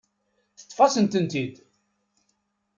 Teṭṭef-asent-tent-id.